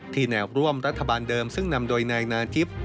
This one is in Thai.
ที่แนวร่วมรัฐบาลเดิมซึ่งนำโดยนานาจิป